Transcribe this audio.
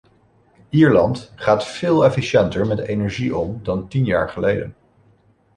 Ierland gaat veel efficiënter met energie om dan tien jaar geleden.